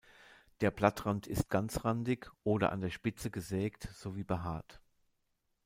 Der Blattrand ist ganzrandig oder an der Spitze gesägt sowie behaart.